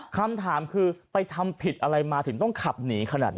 คำถามคือไปทำผิดอะไรมาถึงต้องขับหนีขนาดนี้